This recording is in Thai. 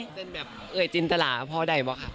เป็นแบบเอ่ยจินตราพ่อใดบ่ะคะ